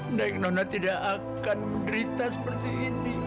nona tidak akan menderita seperti ini